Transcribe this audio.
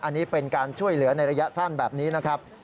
อันนี้เป็นการช่วยเหลือในระยะสั้นแบบนี้นะครับ